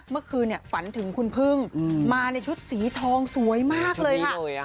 เมื่อคืนฝันถึงคุณพึ่งมาในชุดสีทองสวยมากเลยค่ะ